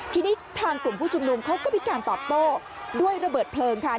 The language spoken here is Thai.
ทีนี้ทางกลุ่มผู้ชุมนุมเขาก็มีการตอบโต้ด้วยระเบิดเพลิงค่ะ